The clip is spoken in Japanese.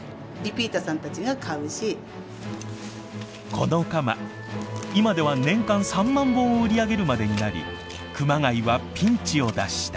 このカマ今では年間３万本を売り上げるまでになり熊谷はピンチを脱した。